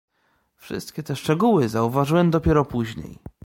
"Wszystkie te szczegóły zauważyłem dopiero później."